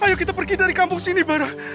ayo kita pergi dari kampung sini barah